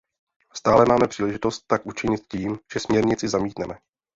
Stále máme příležitost tak učinit tím, že směrnici zamítneme.